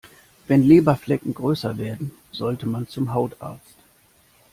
Wenn Leberflecken größer werden, sollte man zum Hautarzt.